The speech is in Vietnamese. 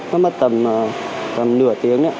nó mất tầm nửa tiếng